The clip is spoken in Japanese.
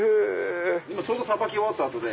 今ちょうどさばき終わった後で。